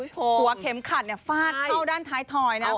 โอ้โหตัวเข็มขัดเนี่ยฟาดเข้าด้านท้ายถอยนะคุณผู้ชม